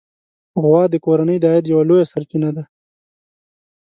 غوا د کورنۍ د عاید یوه لویه سرچینه ده.